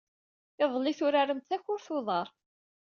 Iḍelli, turaremt takurt n uḍar.